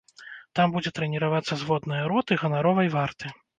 Там будзе трэніравацца зводная роты ганаровай варты.